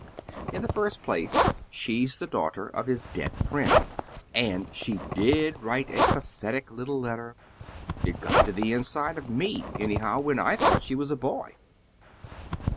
In the first place, she's the daughter of his dead friend, and she DID write a pathetic little letter. It got to the inside of me, anyhow, when I thought she was a boy."